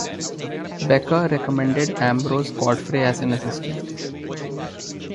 Becher recommended Ambrose Godfrey as an assistant.